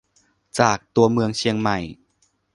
จากตัวเมืองเชียงใหม่